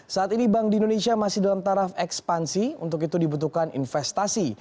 saat ini bank di indonesia masih dalam taraf ekspansi untuk itu dibutuhkan investasi